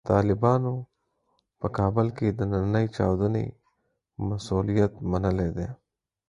طالبانو په کابل کې د نننۍ چاودنې مسوولیت منلی دی.